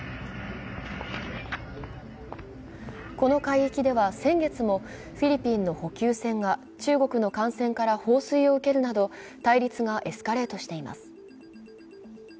この海域では、先月もフィリピンの補給船が中国の艦船から放水を受けるなど対立がエスカレートしています。